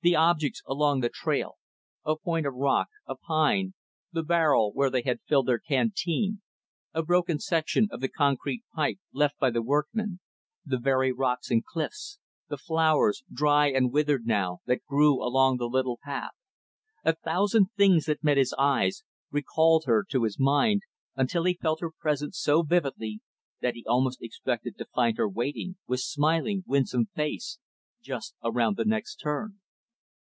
The objects along the trail a point of rock, a pine, the barrel where they had filled their canteen, a broken section of the concrete pipe left by the workmen, the very rocks and cliffs, the flowers dry and withered now that grew along the little path a thousand things that met his eyes recalled her to his mind until he felt her presence so vividly that he almost expected to find her waiting, with smiling, winsome face, just around the next turn.